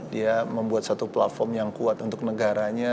dia membuat satu platform yang kuat untuk negaranya